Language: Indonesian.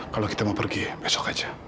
kalau kita mau pergi besok aja